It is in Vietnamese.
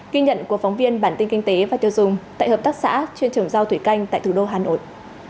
ghi nhận của phóng viên bản tin kinh tế và tiêu dùng tại hợp tác xã chuyên trồng rau thủy canh tại thủ đô hà nội